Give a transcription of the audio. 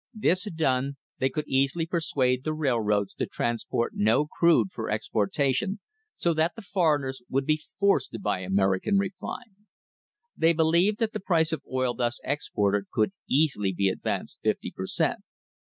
This done, they could easily persuade the railroads to transport no crude for exportation, so that the foreigners would be forced to buy American refined. They believed that the price of oil thus exported could easily be advanced fifty per cent.